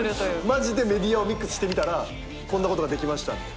マジでメディアをミックスしてみたらこんなことができました。